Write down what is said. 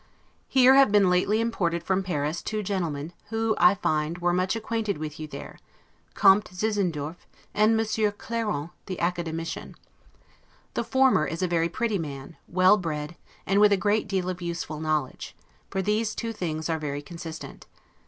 Here have been lately imported from Paris two gentlemen, who, I find, were much acquainted with you there Comte Zinzendorf, and Monsieur Clairant the Academician. The former is a very pretty man, well bred, and with a great deal of useful knowledge; for those two things are very consistent.